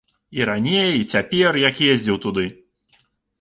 І раней, і цяпер, як ездзіў туды.